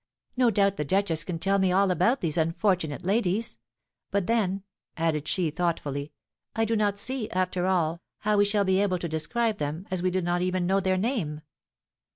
"No doubt the duchess can tell me all about these unfortunate ladies. But then," added she, thoughtfully, "I do not see, after all, how we shall be able to describe them, as we do not even know their name."